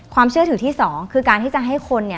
ความเชื่อถือที่๒คือการที่จะให้คน